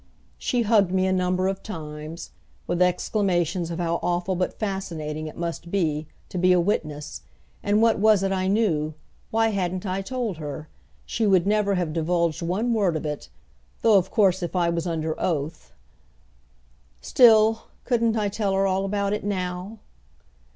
She hugged me a number of times, with exclamations of how awful but fascinating it must be, to be a witness, and what was it I knew why hadn't I told her she would never have divulged one word of it though of course if I was under oath! Still, couldn't I tell her all about it now?